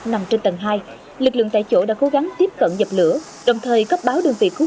nằm trên tầng hai lực lượng tại chỗ đã cố gắng tiếp cận dập lửa đồng thời cấp báo đơn vị cứu